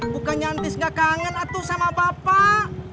bukannya ntis gak kangen atuh sama bapak